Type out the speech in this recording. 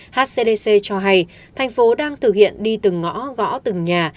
hcdc cho hay thành phố đang thực hiện đi từng ngõ gõ từng nhà